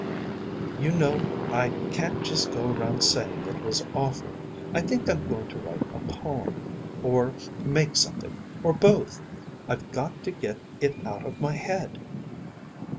"You know, I can't just go around saying it was awful. I think I'm going to write a poem. Or make something. Or both. I've got to get it out of my head."